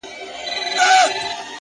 نور دي نو شېخاني كيسې نه كوي؛